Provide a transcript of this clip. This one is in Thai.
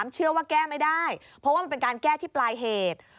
เชื่อว่าแก้ไม่ได้เพราะว่ามันเป็นการแก้ที่ปลายเหตุ